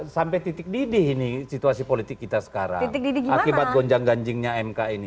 sampai titik didih ini situasi politik kita sekarang akibat gonjang ganjingnya mk ini